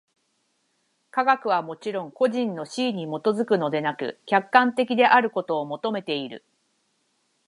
科学はもちろん個人の肆意に基づくのでなく、客観的であることを求めている。